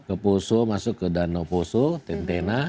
ke poso masuk ke danau poso tentena